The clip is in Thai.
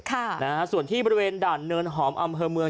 ค่ะนะฮะส่วนที่บริเวณด่านเนินหอมอำเภอเมือง